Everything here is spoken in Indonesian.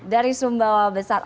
dari sumbawa besar